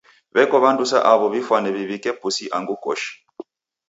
W'eko w'andu sa aw'o w'ifwane w'iw'ike pusi angu koshi.